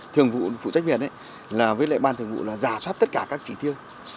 thường vụ phụ trách biệt với lại ban thường vụ là giả soát tất cả các chỉ tiêu